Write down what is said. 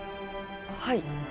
はい。